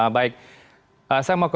baik saya mau ke bang andreas